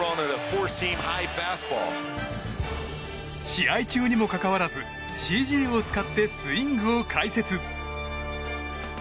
試合中にもかかわらずＣＧを使ってスイングを解説。